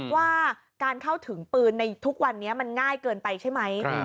ว่าการเข้าถึงปืนในทุกวันนี้มันง่ายเกินไปใช่ไหม